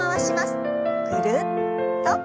ぐるっと。